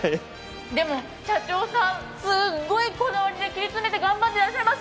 でも社長さん、すごく切り詰めて頑張っていらっしゃいます。